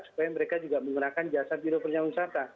supaya mereka juga menggunakan jasa biro perjalanan wisata